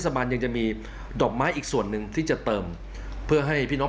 ไปอีกที่หนึ่ง